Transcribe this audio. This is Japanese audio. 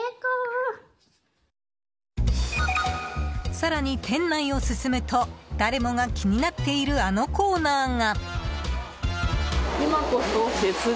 更に店内を進むと誰もが気になっているあのコーナーが。